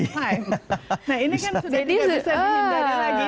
nah ini kan sudah tidak bisa dihindari lagi